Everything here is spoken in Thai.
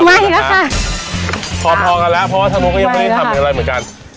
มาอีกแล้วค่ะพร้อมพอกันแล้วเพราะว่าทางมุกก็ยังไม่ได้ทำอย่างไรเหมือนกัน